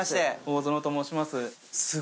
大薗と申します。